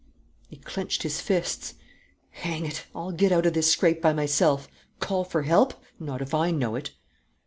He clenched his fists. "Hang it! I'll get out of this scrape by myself! Call for help? Not if I know it!"